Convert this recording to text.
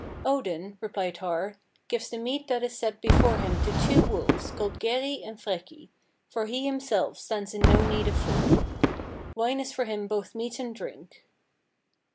"Odin,' replied Har, 'gives the meat that is set before him to two wolves, called Geri and Freki, for he himself stands in no need of food. Wine is for him both meat and drink.